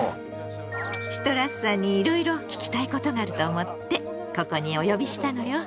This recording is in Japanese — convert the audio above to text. シトラスさんにいろいろ聞きたいことがあると思ってここにお呼びしたのよ。